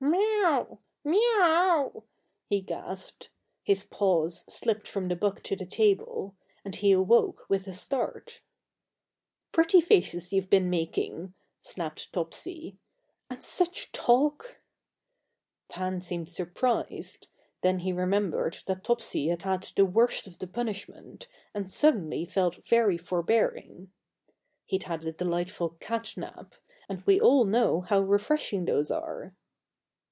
"M'yow! m'yow yow!" he gasped; his paws slipped from the book to the table; and he awoke with a start. "Pretty faces you've been making!" snapped Topsy. "And such talk " Pan seemed surprised; then he remembered that Topsy had had the worst of the punishment and suddenly felt very forbearing. (He'd had a delightful "cat nap," and we all know how refreshing those are!)